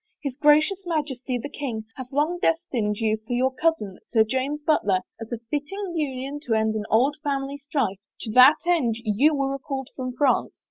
His Gracious Majesty, the king, hath long destined you for your cousin, Sir James Butler, as a fitting union to end an old family strife.. To that end you were recalled from France."